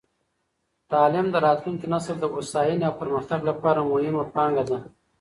تعلیم د راتلونکې نسل د هوساینې او پرمختګ لپاره مهمه پانګه ده.